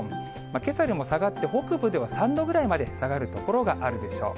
けさよりも下がって、北部では３度ぐらいまで下がる所があるでしょう。